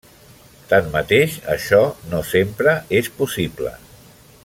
Tanmateix, això no sempre és possible.